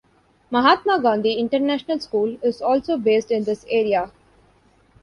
Mahatma Gandhi International School is also based in this area.